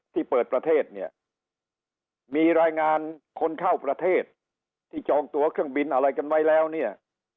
ที่เปิดประเทศเนี่ยมีรายงานคนเข้าประเทศที่จองตัวเครื่องบินอะไรกันไว้แล้วเนี่ย